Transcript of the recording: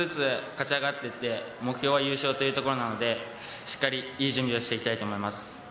一つずつ勝ち上がっていって、目標は優勝というところなので、しっかり、いい準備をしていきたいと思います。